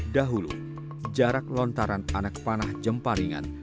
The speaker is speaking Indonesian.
dahulu jarak lontaran anak panah jempa ringan